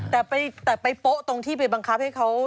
แต่ไปโป๊ะตรงที่ไปบังคับให้เขา